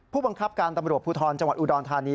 ผู้บังคับการตำรวจภูทรจังหวัดอุดรธานี